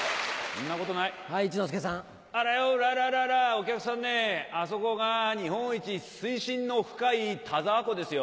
お客さんねあそこが日本一水深の深い田沢湖ですよ。